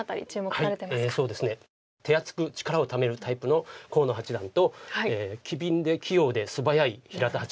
そうですね手厚く力をためるタイプの河野八段と機敏で器用で素早い平田八段。